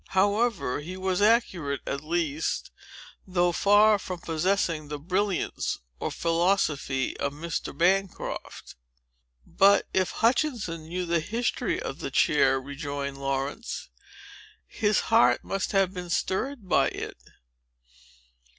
However, he was accurate, at least, though far from possessing the brilliancy or philosophy of Mr. Bancroft." "But, if Hutchinson knew the history of the chair," rejoined Laurence, "his heart must have been stirred by it."